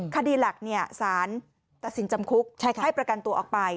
คดีหลักสารตัดสินจำคุกให้ประกันตัวออกไป